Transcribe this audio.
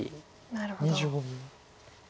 なるほど。